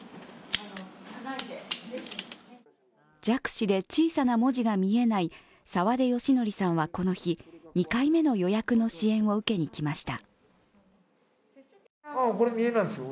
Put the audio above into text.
弱視で小さな文字が見えない澤出芳訓さんはこの日２回目の予約の支援を受けに来ました。